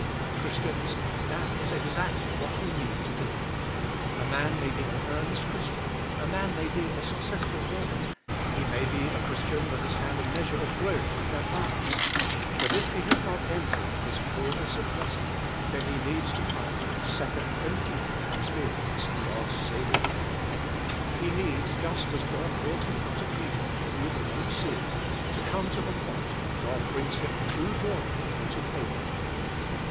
Christians, that is exactly what we need to do. A man may be an earnest Christian; a man may be a successful worker; he may be a Christian that has had a measure of growth and advance; but if he has not entered this fullness of blessing, then he needs to come to a second and deeper experience of God's saving power; he needs, just as God brought him out of Egypt, through the Red Sea, to come to a point where God brings him through Jordan into Canaan.